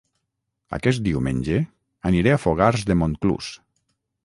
Aquest diumenge aniré a Fogars de Montclús